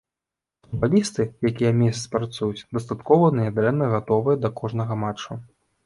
Футбалісты, якія месяц працуюць, дастаткова нядрэнна гатовыя да кожнага матчу.